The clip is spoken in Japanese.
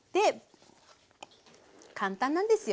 簡単なんですよ。